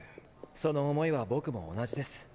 その思いは僕も同じです。